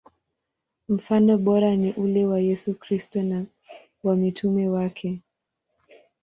Mfano bora ni ule wa Yesu Kristo na wa mitume wake.